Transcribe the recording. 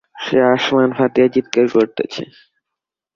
সে আসমান ফাটাইয়া চিৎকার করতেছে।